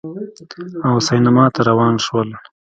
او سینما ته روان شول